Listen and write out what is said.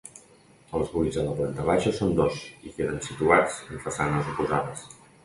Els buits a la planta baixa són dos i queden situats en façanes oposades.